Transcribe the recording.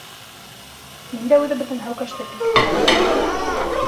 Мин дә үҙебеҙҙең һәүкәште бик тә яратам.